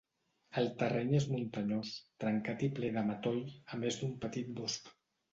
El terreny és muntanyós, trencat i ple de matoll, a més d'un petit bosc.